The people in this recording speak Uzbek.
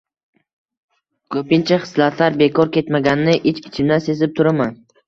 ko’pgina “xislat”lar bekor ketmaganini ich-ichimdan sezib turaman.